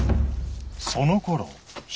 そのころ悲